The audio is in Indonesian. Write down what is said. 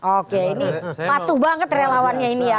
oke ini patuh banget relawannya ini ya